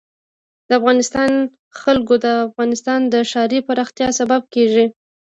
د افغانستان جلکو د افغانستان د ښاري پراختیا سبب کېږي.